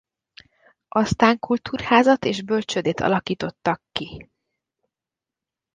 Aztán kultúrházat és bölcsődét alakítottak ki.